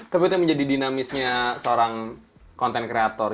tapi itu yang menjadi dinamisnya seorang content creator